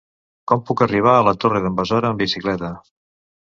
Com puc arribar a la Torre d'en Besora amb bicicleta?